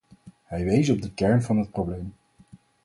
Hij wees op de kern van het probleem.